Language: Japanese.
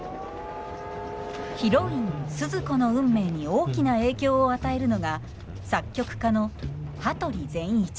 ヒロインスズ子の運命に大きな影響を与えるのが作曲家の羽鳥善一。